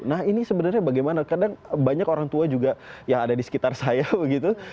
nah ini sebenarnya bagaimana kadang banyak orang tua juga yang ada di sekitar saya begitu